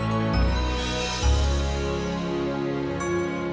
aku mau hidup dan mati aku tuh sama kamu asma